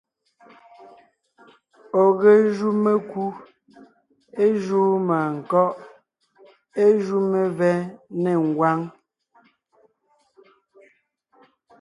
Ɔ̀ ge jú mekú, é júu mânkɔ́ʼ, é jú mevɛ́ nê ngwáŋ.